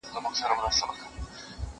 دا روغن په ټول دوکان کي قیمتې وه